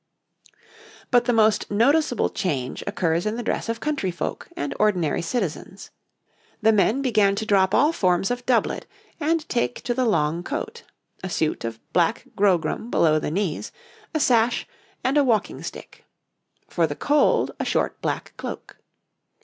] But the most noticeable change occurs in the dress of countryfolk and ordinary citizens. The men began to drop all forms of doublet, and take to the long coat, a suit of black grogram below the knees, a sash, and a walking stick; for the cold, a short black cloak.